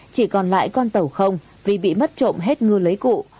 chỉ còn lại con tàu không vì bị mất trộm hết ngư lưới cụ